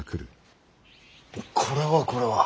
これはこれは。